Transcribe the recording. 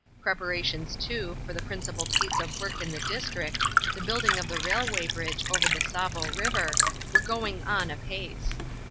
Preparations, too, for the principal piece of work in the district the building of the railway bridge over the Tsavo river were going on apace.